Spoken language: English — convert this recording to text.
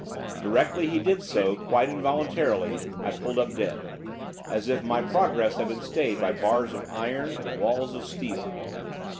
Directly he did so, quite involuntarily, I pulled up dead, as if my progress had been stayed by bars of iron and walls of steel.